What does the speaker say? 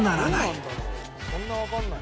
「そんなわかんない？」